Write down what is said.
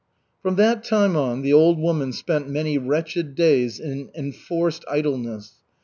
From that time on the old woman spent many wretched days in enforced idleness.